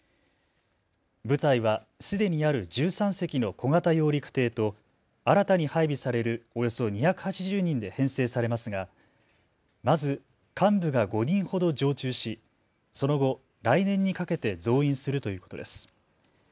部隊は、すでにある１３隻の小型揚陸艇と新たに配備されるおよそ２８０人で編成されますがまず幹部が５人ほど常駐しその後、来年にかけて増員するということです。